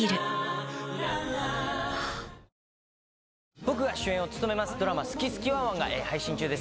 僕が主演を務めますドラマ、すきすきワンワン！が配信中です。